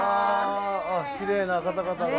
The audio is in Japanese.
きれいな方々が。